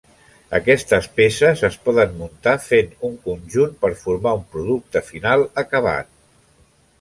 Aquestes peces es poden muntar fent un conjunt per formar un producte final acabat.